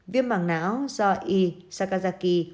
viêm bằng não do isaccaraki